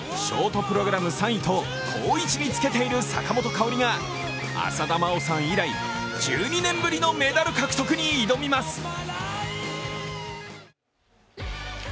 ショートプログラム３位と好位置につけている坂本花織が浅田真央さん以来１２年ぶりのメダル獲得に挑みます。